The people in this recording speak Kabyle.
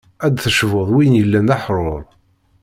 Ad d-tecbuḍ win yellan d aḥrur.